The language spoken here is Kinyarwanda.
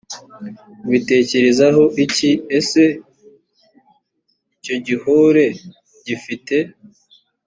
ubitekerezaho iki ese icyo gihore gifite